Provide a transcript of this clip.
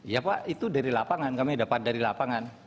ya pak itu dari lapangan kami dapat dari lapangan